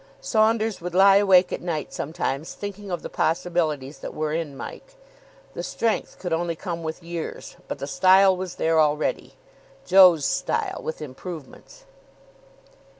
Saunders would lie awake at night sometimes thinking of the possibilities that were in Mike. The strength could only come with years, but the style was there already. Joe's style, with improvements.